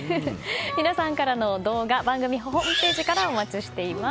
皆さんからの動画番組ホームページからお待ちしています。